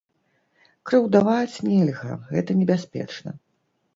Крыўдаваць нельга, гэта небяспечна.